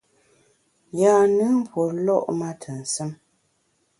Yâ-nùn pue lo’ ma ntù nsùm.